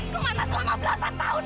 kemana selama belasan tahun